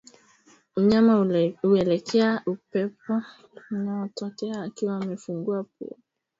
Mnyama huelekea upepo unakotokea akiwa amefungua pua ikiwa ni dalili ya homa ya mapafu